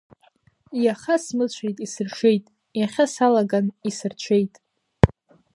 Иаха смыцәеит исыршеит, иахьа салаган исырҽеит.